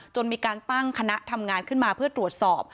มีการตั้งคณะทำงานขึ้นมาเพื่อตรวจสอบ